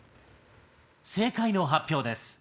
正解の発表です。